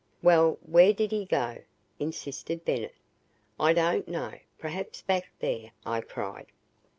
"Well, where DID he go?" insisted Bennett. "I don't know perhaps back there," I cried.